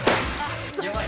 やばい。